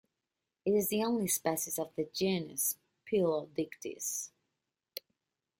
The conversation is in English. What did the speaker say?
It is the only species of the genus "Pylodictis".